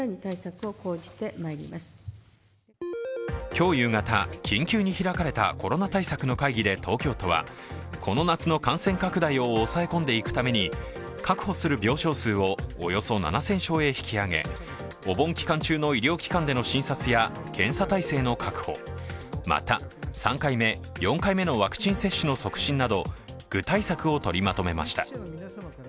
今日夕方、緊急に開かれたコロナ対策の会議で東京都はこの夏の感染拡大を抑え込んでいくために確保する病床数をおよそ７０００床へ引き上げ、お盆期間中の医療機関での診察や検査体制の確保、また、３回目、４回目のワクチン接種の促進など具体策を取りまとめました。